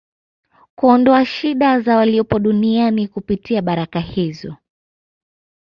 kuondoa shida za waliopo duniani kupitia baraka hizo